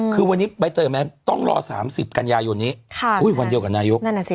คือวันนี้ใบเตยกับแมนต้องรอสามสิบกัญญาโยนนี้คือวันเดียวกับนายก